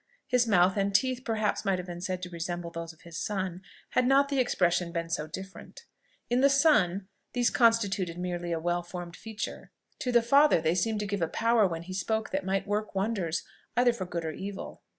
His mouth and teeth perhaps might have been said to resemble those of his son, had not the expression been so different. In the son these constituted merely a well formed feature; to the father they seemed to give a power when he spoke that might work wonders either for good or evil.